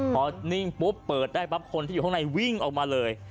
พอนิ่งปุ๊บเปิดได้ปั๊บคนที่อยู่ข้างในวิ่งออกมาเลย